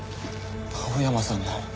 青山さんの。